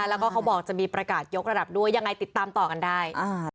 แล้วก็เขาบอกจะมีประกาศยกระดับด้วยยังไงติดตามต่อกันได้